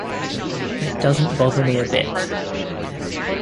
It doesn't bother me a bit.